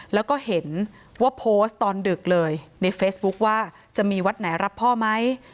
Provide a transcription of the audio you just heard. แล้วก็เห็นว่าโพสต์ตอนดึกเลยในเฟซบุ๊คว่าจะมีวัดไหนรับพ่อไหม